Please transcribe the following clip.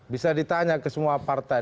bisa ditanya ke semua partai